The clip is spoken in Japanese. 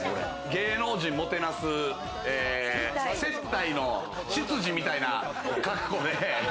芸能人もてなす接待の執事みたいな格好で。